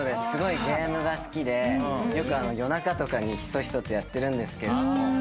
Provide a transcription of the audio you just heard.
すごいゲームが好きでよく夜中とかにひそひそとやってるんですけど。